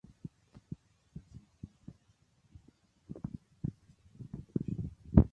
Následkem toho jsou také interpretace různých historiků odlišné.